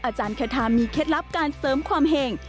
อาจารย์คาทามีเคล็ดลับการเสริมความเห็ง